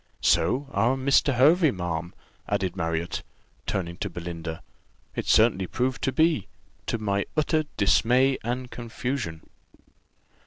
So our Mr. Hervey, ma'am," added Marriott, turning to Belinda, "it certainly proved to be, to my utter dismay and confusion."